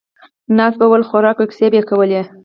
ناست به ول، خوراک او کیسې به یې کولې.